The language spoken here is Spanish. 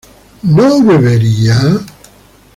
¿no bebería?